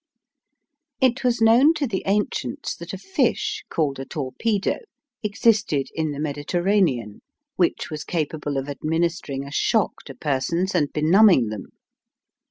It was known to the ancients that a fish called a torpedo existed in the Mediterranean which was capable of administering a shock to persons and benumbing them.